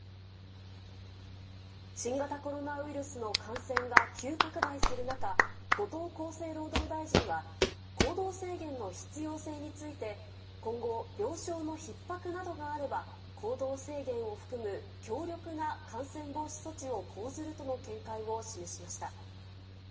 新型コロナウイルスの感染が急拡大する中、後藤厚生労働大臣は、行動制限の必要性について、今後、病床のひっ迫などがあれば、行動制限を含む強力な感染防止措置を講ずるとの見解を示しました。